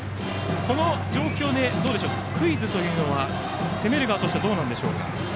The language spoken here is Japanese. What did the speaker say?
この状況でスクイズというのは攻める側としてはどうなんでしょうか。